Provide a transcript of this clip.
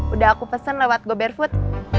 udah aku pesen lewat go barefoot